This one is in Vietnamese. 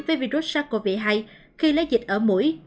với virus sars cov hai khi lấy dịch ở mũi